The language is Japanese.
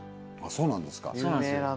そうなんです。